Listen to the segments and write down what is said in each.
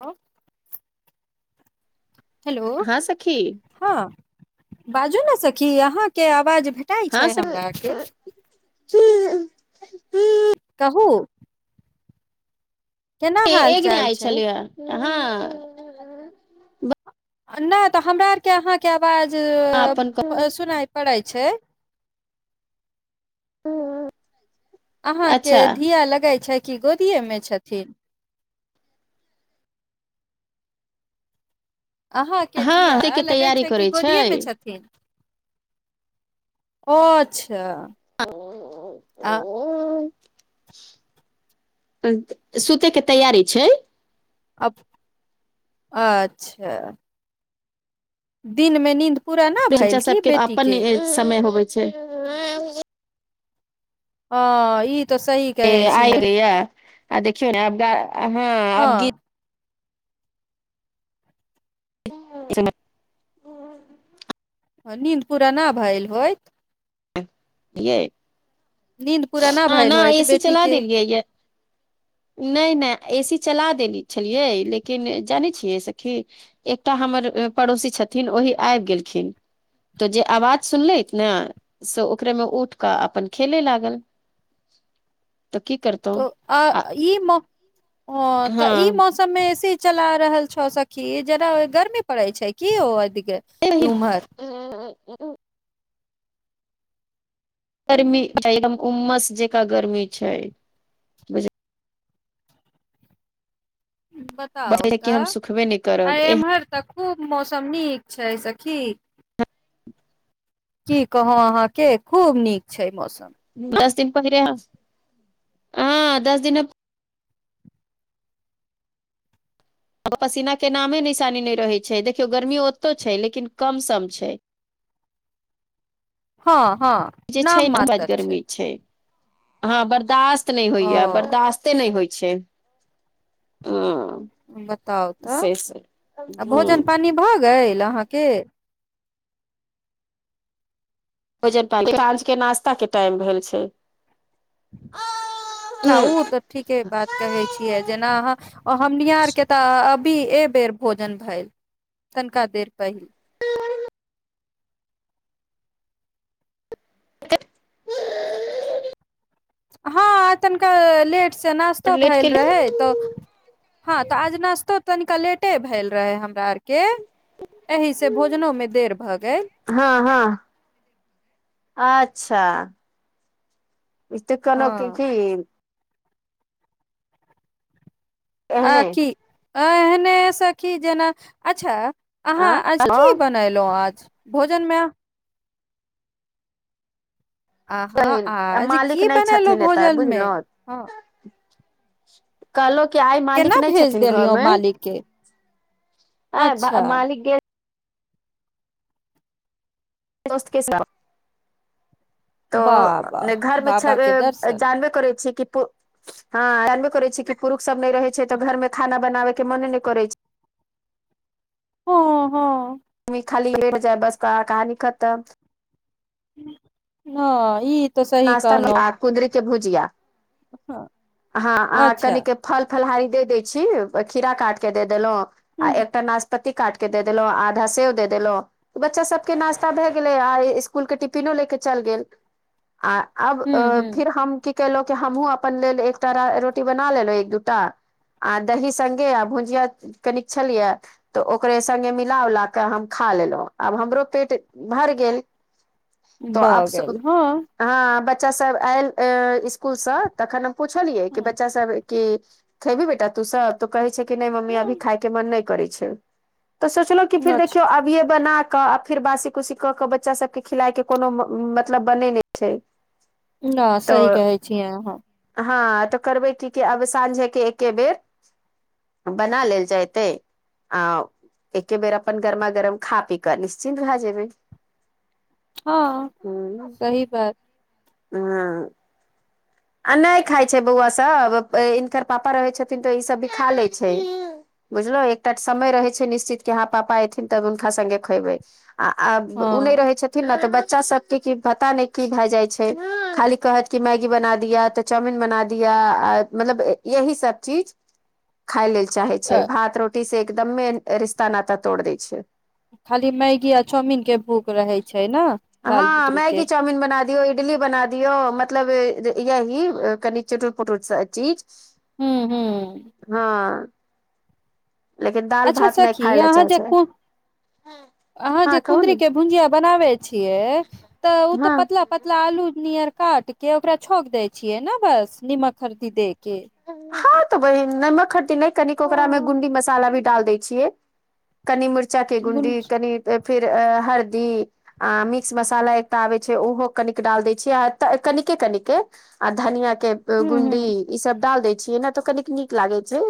आँ [inaudible] हेलो! हँ सखी हँ, बाजू ने सखी अहाँके आवाज भे कटाइ छै, हमराके। ही [inaudible] कहू। केना हाल एकग नहि चाल आय छै छलै हँ [unintelligible] नहि तऽ हमरा आरके अहाँके आवाज अपन सुनाइ पड़ै छै। ह ह [unintelligible] अहाँके धिया लगा छै कि, गोदिये मे छथिन। अहाँके धिया हँ के लगै तैयारी छै कि, करै गोदिये मे छै छथिन? अच्छा! ह आ ओ [unintelligible] [inaudible] सुते के तैयारी छै। अच्छा! दिनमे नीन्द पूरा नहि भेल बच्चा की, सबके बेटीके? [inaudible] समय होबै छै। ह ई तऽ सही कहै आइ छियै गय आ [unintelligible] देखियौ ने हँ आब गीत हँ जेना [unintelligible] नींन्द पुराना भेलए होइत। य नींद पूरा भेल न होइत एसी चला बेटीके दियै य। नहि नहि, एसी चला देने छलियै, लेकिन जानै छियै सखी। एकटा हमर पड़ोसी छथिन, ओहि आबि गेलखिन। तो जे आवाज सुनलथि ने। से ओकरे मे उठ कऽ अपन खेले लागल, तऽ की करत तऽ आ ई म तऽ ई हँ म सबमे एसी चला रहल छौ सखी, जे गर्मी पड़े छै की ओ के उमर। ह [unintelligible] गर्मी एकदम उमस जका गर्मी छै। बुझ त कि हम तऽ सुखबे नहि आ करब एह एमहर तऽ खूब मौसम नीक छै सँखी। ह्म [inaudible] की कहू, अहाँकेँ खूब नीक छै मौसम। दस दिन पहिरे हँ दस दिन पसीना के नामे निशानी नहि रहे छै, देखियो गर्मी ओतो छै, लेकिन कम सम छै। हँ हँ। जे छै नाम ने, बड़ मात्र गर्मी छै हँ, बर्दाश्त नहि ओ होइए, बर्दाश्त ते नहि होइ छै, ओ। बताउ तऽ, आ भोजन पानी भऽ गेल अहाँके। भोजन पानी, साँझ के नाश्ता के टाइम भेल छै। न ओ तऽ ह ठीके बात कहै छै। छियै, जेना अहाँ हमनिहाररके तऽ अभी एहि बेर भोजन भेल। तनका देर पहिल। त [inaudible] [inaudible] हँ, तनिका लेट से नाश्तो लेट भेल के रहैत। तऽ हँ, तऽ आज नाश्तो तनिक लेट भेल रहै हमरा आरके। एहिह से भोजनो में देर भ गेल। हँ, हँ, अच्छा। इ्त कनोक हँ की। आ एहने की एहने से की, जेना अच्छा अहाँ आ आज की बन खेलो आज, भोजनमे अहाँ आज मालिक की नहि बनेलहुँ छथिन, एतय भोजन मे बुझलहु। हँ कलो क्या आई मालिक केना नहि भेज छथिन घर देलियौ में, मालिक के आ अच्छा मालिक गेल दोस्त के साथ। बाबा तऽ ने घरमे बाबा छबे के दर्शन जानबे करै छी कि पु हँ, जानबे करै छी कि, पुरुष सब नहि रहे छै तऽ, घर में खाना बनाबे के मने नहि करै छै। ह, हँ। मी खाली भेट जाइ, बस कहानी खतम। ह, ई तऽ सही नाश्तामे कहलहुँ कुदरी के भुजिया, ह आ अच्छा कने के फल-फलहारी दे दै छी, खीरा काटके दे देलहुँ, आ हूँ एकटा नाश पत्ती काट के दे देलो, आधा सेव दे देलो। बच्चा सभके नाश्ता भऽ गेलै, आ स्कूलके टिफिनो लऽ कऽ चलि गेल। आ अब हूँ फिर हम कि केलहुँ कि हमहूँ अपन लेल एकटा रोटी बना लेलहुँ, एक-दूटा। आ दही सङ्गे, आ भुजिया कनिक छलए। तऽ ओकरे सङ्गे मिला- उला कऽ, हम खा लेलहुँ, आब हमरो पेट भर गेल, तऽ भऽ आब गेल हँ हँ, बच्चा सब आयल स्कूल से, तखन हम पूछलियै, कि हँ बच्चा सब क खेबी बेटा तूसब तो कहे छै कि नहि मम्मी अभी हँ खाय के मन नहि करै छै। तऽ सोचलो कि फिर अच्छा देखियौ अबिये बना का फिर बासी -कुसी कऽ के बच्चा सब के खिलाय के कोनो मतलब बने नहि छै। न सी तऽ कहै छीय अहहँ! हँ, तऽ करबै क कि, आब साँझेके एके बेर। बना लेल जतै। अ एके बेर अपन गरमा -गरम खा पी कऽ निश्चिन्त भए जेबै। हँ सही बात। हु। आ नहि खाइ छै बौआ सब, हिनकर पापा रहै छथिन तऽ ई सब भी खा ले छै। बुझलहु, एकटा समय रहै छै निश्चित के यहाँ पापा एयथिन तब हुनका सङ्गे खेबै। आ ओ नहि हँ रहै छथि। न न तऽ बच्चा सब के कि पता नहि की भए जाय छै, खाली कहत की मैगी बना दे। दिया तऽ चाउमिन बना दिय, मतलब यही सब चीज। खाय लेल चाहै अ छै, भात -रोटी से एकदममे रिश्ता नाता तोड़ दै छै। खाली मैगी आ चाउमीन के भूख रहे छै ने, बाल बुतरु के। चाउमीन बना दियऔ, इडली बना दियो, मतलब य ही कनि चटुट- पटुट चीज। हूँ हूँ हँ। लेकिन दाल अच्छा भात नहि खाय सखी! लए अहाँ चाहै जे छै अहाँ जे हँ कहू कुद्रीक ने के भुजिया बनावे छियै, तऽ ओ तऽ हँ पतला प मत आलू नियर काट के ओकरा छौक देय छियै ने बस, नीमक हल्दी दे के। हँ तऽ बहिन, नमक हल्दी नहि कने ओकरामे हूँ गुणडी मसाला भी डाल दै छियै। कनी मिर्चा के गुडी, कनी फिर अ हरदी। आ मिक्स मसाला एकटा आबैत छै, ओहो कनिक डाल दैत छियै, आ कनिके -कनिक। आ धनिया के गुंडी हूँ ईसभ डाल दै छियै ने, तऽ कनिक नीक लागै छै।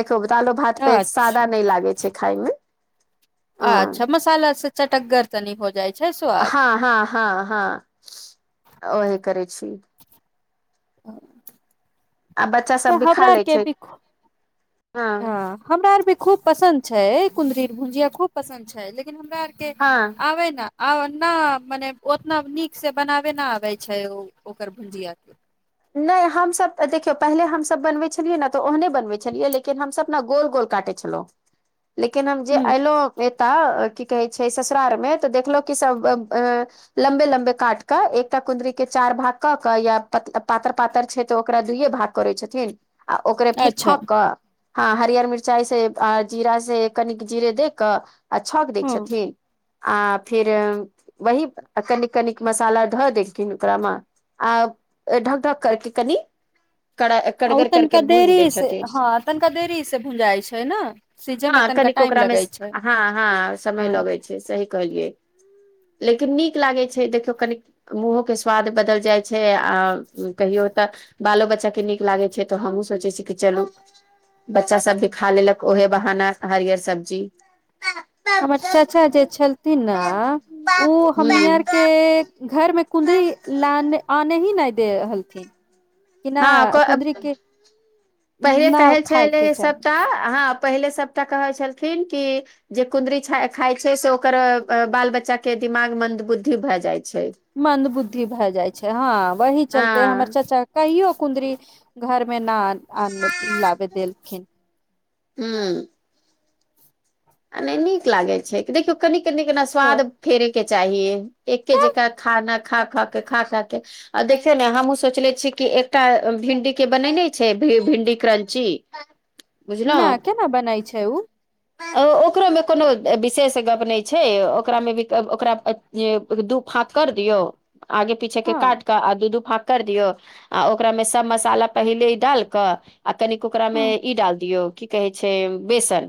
देखो दालो- भात पे, अच्छा सादा नहि लागै छै खाायमे। अच्छा मसाला से चटक्गर तनी हो जाए। हँ, हँ, हँ, हँ ओहे करै छी। आ बच्चा तऽ सब भी खा हमबरा लै आरके छै ब हँ। हमरा आर भे खूब पसन्द छै, कुंदरी भुजिया खूब पसन्द छै, लेकिन हमरा आर के हँ आबे ना। आ ने मने ओतना नीक से बनाबे न आबे छै, ओ ओकर भुजिया के। नहि हमसभ देखियौ पहिले हमसभ बनबै छलियै ने, तऽ ओहने बनबैत छलियै, लेकिन हमसभ ने गोल -गोल काटैत छलहुँ। लेकिन हम जे ह एयलहुँ एतय की कहै छै ससुरार मे, तऽ देखलहुँ क सभ लम्बे -लम्बे काट कऽ, एकटा कुंदरी के चार भाग कऽ क, या पतला पातर -पातर छै तऽ, ओकरा दुइयए भाग करै छथिन, आ ओकरे फिर अच्छा छौक कऽ। हँ हरियर मिरचाइ से, आ जीरा से कनिक जीरे दे क आ छौक दै हँ छथिन, आ फिर वही कनिक -कनिक मसाला धऽ देलखिन ओकरामे, आ इ ढक ढक करै छै कनी कड़ा और कड़गर करके तनिका भूज दै देरी से छथिन ह तनिका देरी से भुंजाई छै ना, सीझे में हँ तनिका कनिक टाइम ओकरामे लगै छै हँ हँ समय हँ लगै छै सही कहलियै। लेकिन नीक लागे छै देखियौ कनि मुँहो के स्वाद बदल जाइ छै आ कहियो त बालो बच्चाके नीक लागै छै त हमहुं सोचै छी कि चलू। बच्चा सब भी खा लेलक ओहे बहाना हरियर सब्जी। हमर चाचा जे छलथिन ने हूँ ओ हमनी आर के घर मे कुदरी लान आने ही नहि दे रहलथिन। हँ त पहिले ना कहै छै खाय जे के चाही सबटा ह पहिले सबटा कहै छलखिन कि जे कुन्दरी खाय छै से ओकर बाल बच्चा के दिमाग मन्दबुद्धि भए जाइत छै। मन्दबुद्धि भए जाय छै हँ वही हँ चलते हमर चाचा कहियो कुदरी घर मे न आन लाबे देलखिन। हुं आ नहि नीक लागे छै देखियो कनि कनि के ना ह स्वाद फेरै के चाही एके तऽ जकां खाना खा खा के खा खा के आ देखियौ ने हमहूँ सोचले छियै कि एकटा भिन्डी के बनेने छै भिन्डी क्रंची हां। ना, केना बनै छै ओ ओ ओकरोमे कोनो विशेष गप नहि छै ओकरामे भी ओकरा जे दू फांक कर दियौ आगे पीछे के हँ काट क आ दू दू फाँक कर दियौ आ ओकरामे सब मसाला पहिलेडाल क आ कनि ओकरामे हँ ई डाल दियौ की कहै छै बेसन,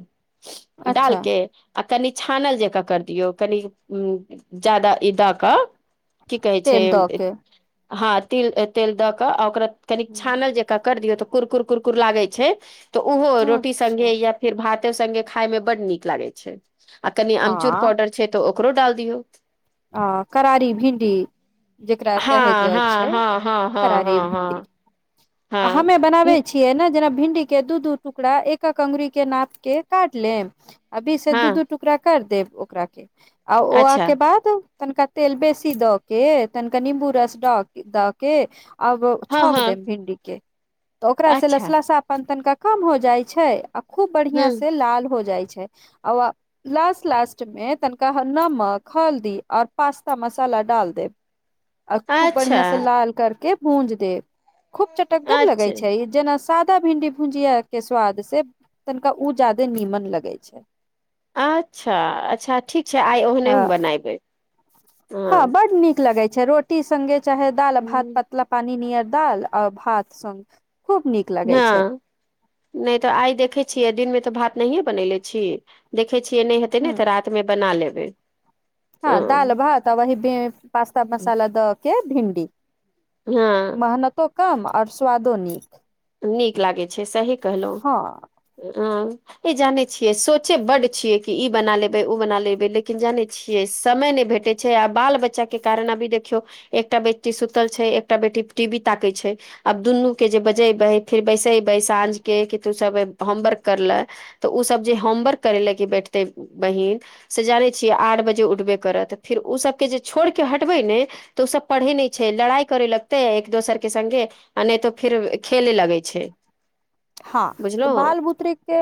अच्छा डालके आ कनि छानल जकाँ कर दियौ कनि ज्यादा ई द क की कहै छै तेल दऽ के हँ तिल तेल द क आ ओकरा कनिक छानल जे का कर दियौ त कुरकुर कुरकुर लागे छै त ओहो रोटी अच्छा संगे या फिर भाते संगे खाय मे बड नीक लागै छै आ कनि अमचूर हँ पाउडर छै त ओकरोडाल दियौ आ करारी भिंडी जेकरा कहे हँ जाइ हँ छै हँ हँ हँ करारी हँ भिणडी हँ आ हँ हमे बनाबे हूँ, छियै ने जेना भिंडी के दू दू टुकड़ा एक एक अंगुरी के नाप के काट लेब अभी से दू हँ दू टुकड़ा कर देब ओकरा के आ ओकरा अच्छा के बाद तनिका तेल बेसी द के तनिका नीम्बू रस द के अब हँ छौंक हँ देब भिंडी के त ओकरा से अच्छा लसलसापन तनिका कम हो जाइ छै आ खूब हूँ बढ़िया से लाल हो जाइ छै। आ लास्ट लास्ट मे तनिका नमक हल्दी और पास्ता मसाला डाल देब आ खूब अच्छा बढ़िआ से लाल करके भूज देब खूब चटकगर लगै अच्छा छै जेना सादा भिंडी भुजिया के स्वाद से तनिका उ ज्यादे नीमन लगै छै। अच्छा, अच्छा ठीक छै आइ हँ ओहने हम बनेबै। हँ बड नीक लगे छै रोटी संगे चाहे दालि भात हूँ, पतला पानी नियर डाल आ भात संग खूब नीक लगै छै हँ, नहि त आइ देखै छियै दिनमे त भात नहिए बनेने छी। देखै छियै न त नै हेतै ने ह त रातिमे बना लेबै। हँ दाल भात आ वही पास्ता मसाला द के भिन्डी हँ, मेहनतो कम और स्वादो नीक। नीक लागै छै सही कहलहुँ हँ हं। ई जाने छियै सोचे बड छियै कि ई बना लेबे ओ बना लेबै लेकिन जाने छियै समय नहि भेटे छै आ बाल बच्चा के कारण अभी देखियौ एकटा बेटी सुतल छै एकटा बेटी टीबी ताके छै आब दुनू के जे जेबै फिर बैसेबै साँझके कि तू सब होमवर्क करले त ओसभ जे होमवर्क करे लए के बैठतै बहिन से जानैत छियै आठ बजे उठबे करत त फेर ओसभके जे छोड़ि क हटबै ने त ओ सब पढ़ै नहि छै लड़ाई करे लगते एक दोसर के सङ्गे आ नहि त फेर खेलै लगै छै। हँ त बुझलहु बाल बुतरूक के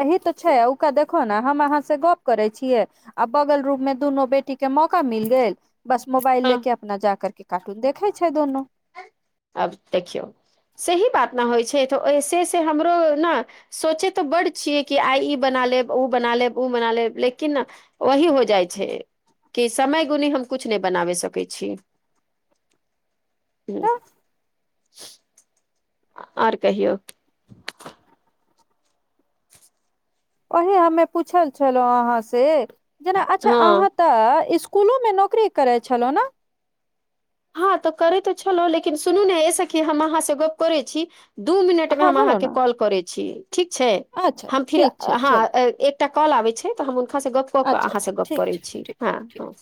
अहु त छै ओकरा देखियौ ने हम अहाँ से गप करै छियै आ बगल रूप मे दुनू बेटी के मौका मिल गेल बस मोबाइल हँ ले के अपना जा करके कार्टून देखे छै दोनो आब देखियौ सही बात ने होइत छै त ऐसे हमरो ने सोचे त बड छियै कि आइ ई बना लेब ओ बना लेब ओ बना लेब लेकिन ओही हो जाइ छै कि समय गुण हम किछु नहि बनाबे सकै छी। [inaudible] हूँ, तऽ आ आर कहियौ। ओहो हमरा पूछै छले अहाँ से जेना अच्छा, हँ अहाँ त स्कुलो मे नौकरी करै छलहुँ न। हँ त करे त छलौं लेकिन सुनू ने एहि सखी हम अहाँ से गप करै छी। दू मिनट मे हँ हम बोलू अहाँके ने कॉल करै छी ठीक छै अच्छा हम फिर ठीक छै हँ चलू एक एकटा कॉल आबै छै त हम हुनका से गप क के अच्छा अहाँ अच्छा से गप ठीक करै छी हं हं